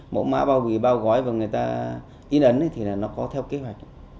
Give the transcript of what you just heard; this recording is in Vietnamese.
mẫu mã bao bì bao gói và người ta in ấn thì là nó có theo kế hoạch